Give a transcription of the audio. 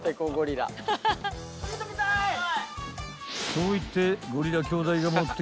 ［そう言って］